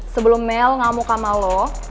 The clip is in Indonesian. sebelum mel ngamuk sama lo